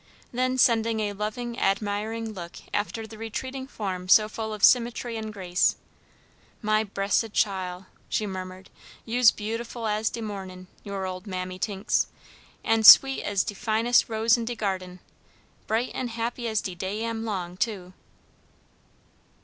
Then sending a loving, admiring look after the retreating form so full of symmetry and grace, "My bressed chile!" she murmured, "you's beautiful as de mornin', your ole mammy tinks, an' sweet as de finest rose in de garden; bright an' happy as de day am long, too."